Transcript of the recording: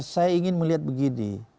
saya ingin melihat begini